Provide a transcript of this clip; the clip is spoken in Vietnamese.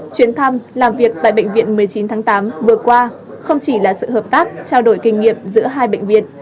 chuyến thăm làm việc tại bệnh viện một mươi chín tháng tám vừa qua không chỉ là sự hợp tác trao đổi kinh nghiệm giữa hai bệnh viện